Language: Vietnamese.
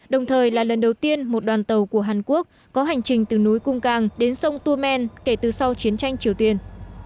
đồng thời là lần đầu tiên một đoàn tàu của hàn quốc có hành trình từ núi cung càng đến sông tuman kể từ sau chiến tranh triều tiên